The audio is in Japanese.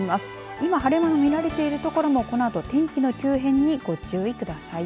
今晴れ間が見られている所もこのあと天気の急変にご注意ください。